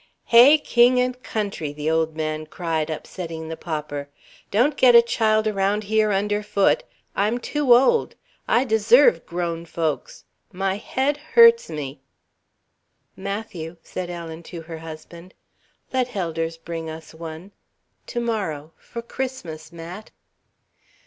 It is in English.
"Hey, king and country!" the old man cried, upsetting the popper. "Don't get a child around here underfoot. I'm too old. I deserve grown folks. My head hurts me " "Matthew," said Ellen to her husband, "let Helders bring us one. To morrow for Christmas, Mat!"